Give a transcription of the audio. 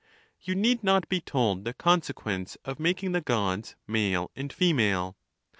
You need not be told the consequence of making the Gods male and female.